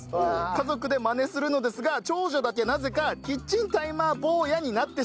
家族でマネするのですが長女だけなぜか「キッチンタイマー坊や」になってしまいます。